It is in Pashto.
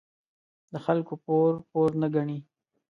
د خلکو پور، پور نه گڼي.